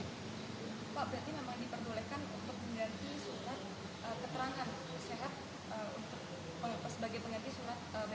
pak berarti memang diperdolekan untuk mengganti surat keterangan sehat